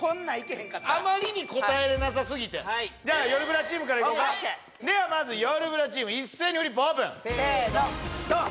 へんかったらあまりに答えれなさすぎてじゃあよるブラチームからいこうかではまずよるブラチーム一斉にフリップオープンせーのドン！